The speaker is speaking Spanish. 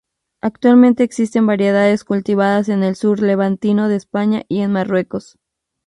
Actualmente existen variedades cultivadas en el sur levantino de España y en Marruecos.